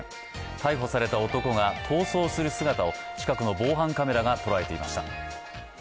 逮捕された男が逃走する姿を近くの防犯カメラが捉えていました。